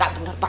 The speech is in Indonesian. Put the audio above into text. gak bener baik